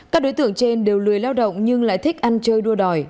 các đối tượng trên đều lười lao động nhưng lại thích ăn chơi đua đòi